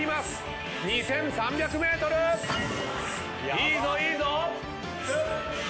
いいぞいいぞ！